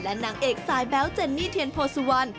และนางเอกสายแบ๊วเจนนี่เทียนโภสวัน